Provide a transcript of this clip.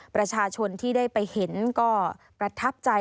ประชาชนที่ได้ไปเห็นก็ประทับใจ